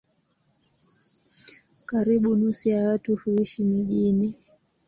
Karibu nusu ya watu huishi mijini.